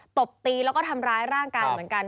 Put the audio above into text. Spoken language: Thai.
ตบตีแล้วก็ทำร้ายร่างกายเหมือนกัน